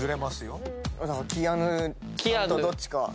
キアヌさんとどっちか？